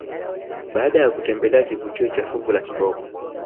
Baada ya kutembelea kivutio cha fuvu la kiboko